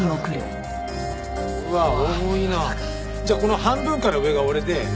じゃあこの半分から上が俺で。